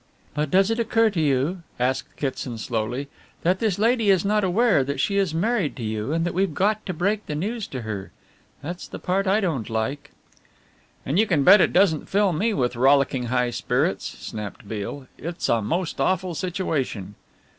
"But does it occur to you," asked Kitson slowly, "that this lady is not aware that she has married you and that we've got to break the news to her? That's the part I don't like." "And you can bet it doesn't fill me with rollicking high spirits," snapped Beale; "it's a most awful situation."